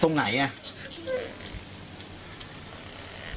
ตรงไหนอ่ะ